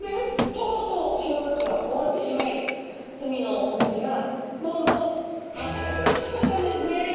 とうとう氷河期は終わってしまい海のお水がどんどんあったかくなってしまったんですね。